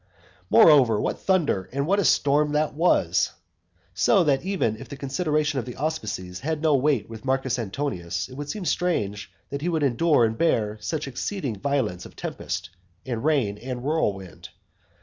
Moreover, what thunder, and what a storm that was! so that even if the consideration of the auspices had no weight with Marcus Antonius, it would seem strange that he could endure and bear such exceeding violence of tempest, and rain, and whirlwind.